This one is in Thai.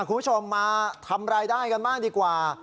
คุณผู้ชมมาทำรายได้กันบ้างดีกว่า